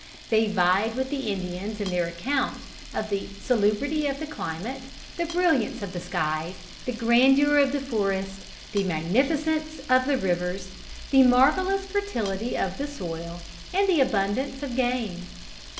They vied with the Indians in their account of the salubrity of the climate, the brilliance of the skies, the grandeur of the forests, the magnificence of the rivers, the marvelous fertility of the soil and the abundance of game.